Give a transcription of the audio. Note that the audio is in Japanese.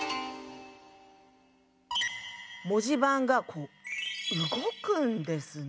文字盤がこう動くんですね。